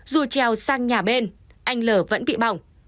dù treo sang nhà bên anh lờ vẫn bị bỏng